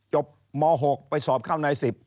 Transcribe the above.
ม๖ไปสอบเข้านาย๑๐